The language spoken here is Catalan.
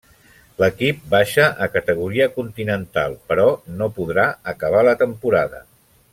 L'equip baixa a Categoria continental però no podrà acabar la temporada.